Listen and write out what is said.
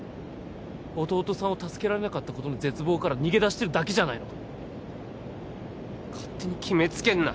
弟さんを助けられなかったことの絶望から逃げ出してるだけじゃないのか勝手に決めつけんな！